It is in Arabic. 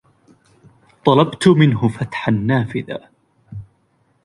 طلبت منه فتح النافذة.